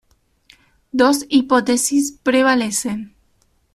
Dos hipótesis prevalecen.